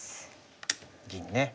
銀ね。